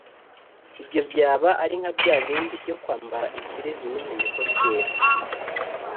ibyo byaba ari nka bya bindi byo kwambara ikirezi ntumenye ko cyera.